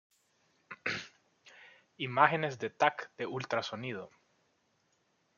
Imágenes de Tac de Ultrasonido.